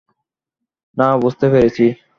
না, বুঝতে পেরেছি।